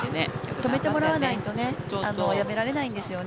止めてもらわないとねやめられないんですよね。